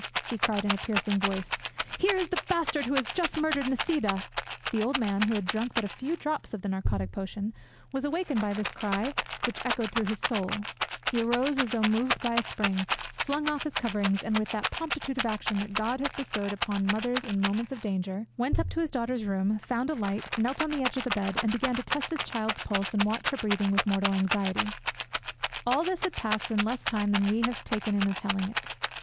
he cried in a piercing voice, "here is the Bastard who Has just murdered Nisida!" The old man, who had drunk but a few drops of the narcotic potion, was awakened by this cry which echoed through his soul; he arose as though moved by a spring, flung off his coverings, and with that promptitude of action that God has bestowed upon mothers in moments of danger, event up to his daughter's room, found a light, knelt on the edge of the bed, and began to test his child's pulse and watch her breathing with mortal anxiety. All! this had passed in less time than we have taken in telling it.